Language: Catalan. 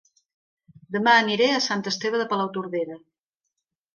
Dema aniré a Sant Esteve de Palautordera